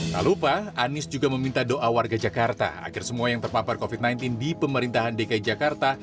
tak lupa anies juga meminta doa warga jakarta agar semua yang terpapar covid sembilan belas di pemerintahan dki jakarta